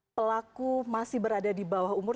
pelaku masih berada di bawah umur